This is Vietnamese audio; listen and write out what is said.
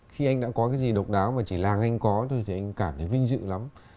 khi anh đã có cái gì độc đáo mà chỉ là anh có thì anh cảm thấy vinh dự lắm